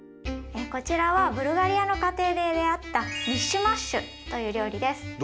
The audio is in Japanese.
こちらはブルガリアの家庭で出会ったミッシュマッシュという料理です。